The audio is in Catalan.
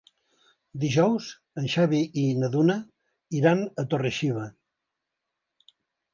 Dijous en Xavi i na Duna iran a Torre-xiva.